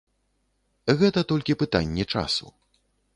Гэта толькі пытанне часу.